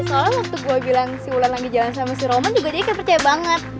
soalnya waktu gue bilang si ulet lagi jalan sama si roman juga jadi kayak percaya banget